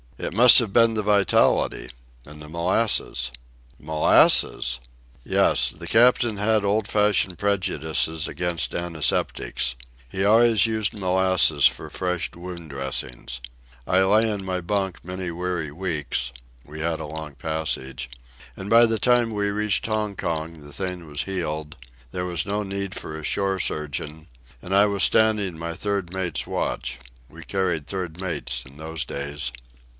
"It must have been the vitality ... and the molasses." "Molasses!" "Yes; the captain had old fashioned prejudices against antiseptics. He always used molasses for fresh wound dressings. I lay in my bunk many weary weeks—we had a long passage—and by the time we reached Hong Kong the thing was healed, there was no need for a shore surgeon, and I was standing my third mate's watch—we carried third mates in those days."